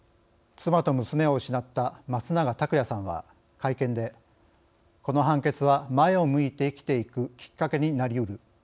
妻と娘を失った松永拓也さんは会見で「この判決は前を向いて生きていくきっかけになりうる。